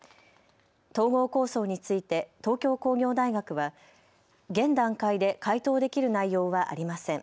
統合構想について東京工業大学は現段階で回答できる内容はありません。